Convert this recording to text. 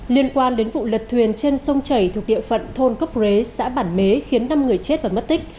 liên quan đến vụ lật thuyền trên sông chảy thuộc địa phận thôn cốc rế xã bản mế khiến năm người chết và mất tích